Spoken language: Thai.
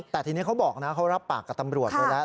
แต่ทีนี้เขาบอกนะเขารับปากกับตำรวจไปแล้ว